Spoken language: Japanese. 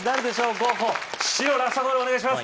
ゴッホ白ラストコールお願いします